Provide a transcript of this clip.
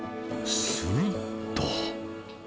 すると。